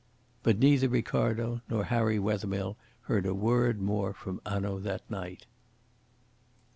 But neither Ricardo nor Harry Wethermill heard a word more from Hanaud that night.